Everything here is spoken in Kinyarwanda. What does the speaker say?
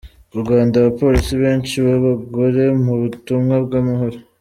u Rwanda abapolisi benshi b’abagore mu butumwa bw’amahoro